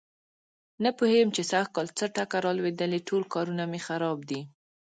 نه پوهېږم چې سږ کل څه ټکه را لوېدلې ټول کارونه مې خراب دي.